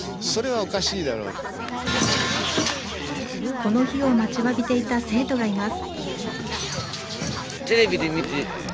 この日を待ちわびていた生徒がいます。